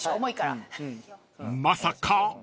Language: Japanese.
［まさか］